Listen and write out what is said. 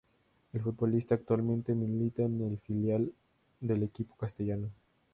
El futbolista actualmente milita en el filial del equipo castellano.